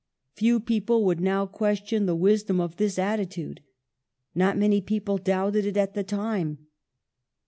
Few people would now question the wisdom of this attitude ; not many people doubted it at the time.